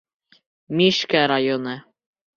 Мишкә районы.